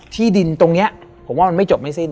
ที่ดินตรงนี้ผมว่ามันไม่จบไม่สิ้น